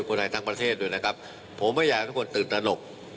คนไทยทั้งประเทศด้วยนะครับผมไม่อยากให้ทุกคนตื่นตนก